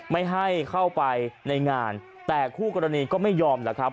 ไม่ให้เข้าไปในงานแต่คู่กรณีก็ไม่ยอมแหละครับ